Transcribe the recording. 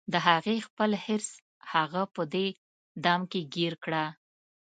د هغې خپل حرص هغه په دې دام کې ګیر کړه